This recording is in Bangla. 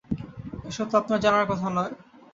এসব তো আপনার জানার কথা নয়।